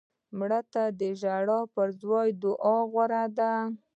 مړه ته د ژړا پر ځای دعا غوره ده